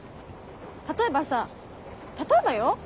例えばさ例えばよ。